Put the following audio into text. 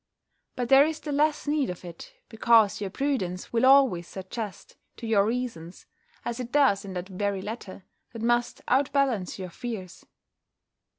But there is the less need of it, because your prudence will always suggest to you reasons, as it does in that very letter, that must out balance your fears.